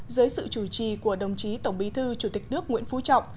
dưới sự chủ trì của đồng chí tổng bí thư chủ tịch nước nguyễn phú trọng